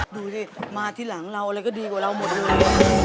ดูสิมาที่หลังเราอะไรก็ดีกว่าเราหมดเลย